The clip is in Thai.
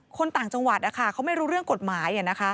คนต่างจังหวัดเขาไม่รู้เรื่องกฎหมาย